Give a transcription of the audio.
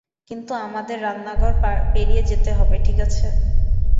কিন্তু আমাদের রান্নাঘর পেরিয়ে যেতে হবে, ঠিক আছে?